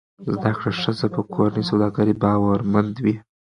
زده کړه ښځه په کورني سوداګرۍ باورمند کوي.